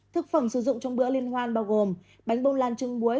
thực phẩm sử dụng trong bữa liên hoan bao gồm bánh bông lan trưng muối